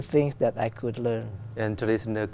trong việt nam